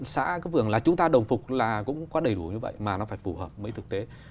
xã cấp vườn là chúng ta đồng phục là cũng có đầy đủ như vậy mà nó phải phù hợp với thực tế